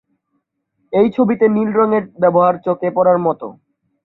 এই ছবিতে নীল রঙের ব্যবহার চোখে পড়ার মতো।